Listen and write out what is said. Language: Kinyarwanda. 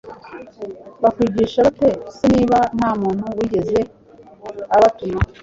bakwigisha bate se niba nta muntu wigeze ubatuma